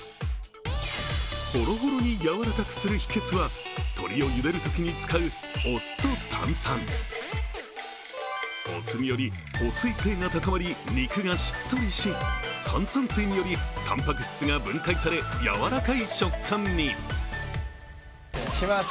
ほろほろにやわらかくする秘訣は鶏をゆでるときに使うお酢により、保水性が高まり肉がしっとりし炭酸水により、たんぱく質が分解され、柔らかい食感に。